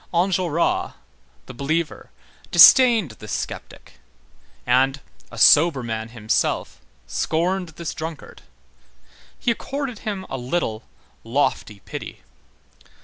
Enjolras, the believer, disdained this sceptic; and, a sober man himself, scorned this drunkard. He accorded him a little lofty pity.